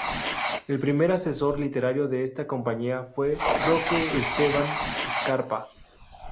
El primer asesor literario de esta compañía fue Roque Esteban Scarpa.